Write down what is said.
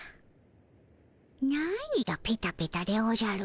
何がペタペタでおじゃる。